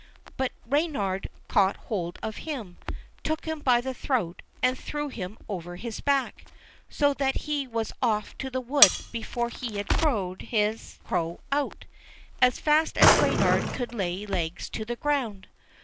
But Reynard caught hold of him, took him by the throat, and threw him over his back, so that he was off to the wood before he had crowed his crow out, as fast as Reynard could lay legs to the ground.